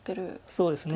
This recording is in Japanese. そうですね。